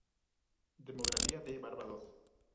Demografía de Barbados